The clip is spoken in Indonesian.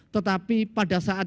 tetapi pada saat itu